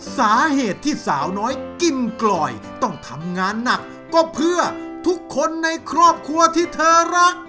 สาเหตุที่สาวน้อยกินกลอยต้องทำงานหนักก็เพื่อทุกคนในครอบครัวที่เธอรัก